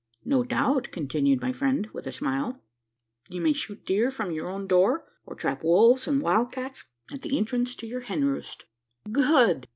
"No doubt," continued my friend, with a smile, "you may shoot deer from your own door; or trap wolves and wild cats at the entrance to your hen roost." "Good!"